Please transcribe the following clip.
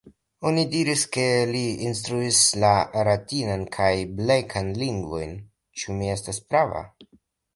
Oni diris ke li instruis la Ratinan kaj Blekan lingvojn. Ĉu mi estas prava?